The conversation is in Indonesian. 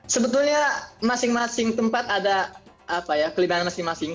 sebetulnya masing masing tempat ada apa ya kelebihan masing masing